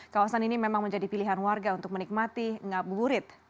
kawasan ini memang menjadi pilihan warga untuk menikmati ngabuburit